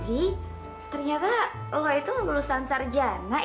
zy ternyata lo itu ngelulusan sarjana ya